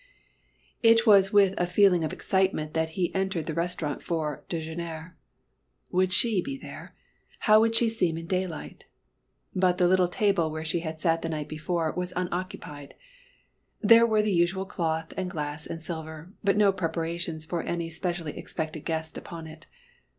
It was with a feeling of excitement that he entered the restaurant for déjeuner. Would she be there? How would she seem in daylight? But the little table where she had sat the night before was unoccupied. There were the usual cloth and glass and silver, but no preparations for any specially expected guest upon it.